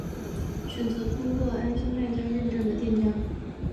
选择通过安心卖家认证的店家